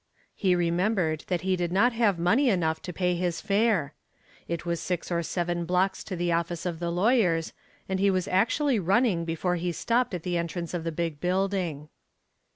He remembered that he did not have money enough to pay his fare. It was six or seven blocks to the office of the lawyers, and he was actually running before he stopped at the entrance of the big building.